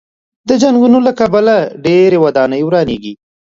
د جنګونو له کبله ډېرې ودانۍ ورانېږي.